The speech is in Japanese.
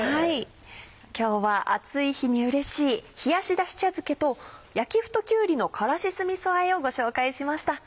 今日は暑い日にうれしい冷やしだし茶漬けと焼き麩ときゅうりの辛子酢みそあえをご紹介しました。